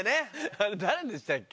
あれ誰でしたっけ？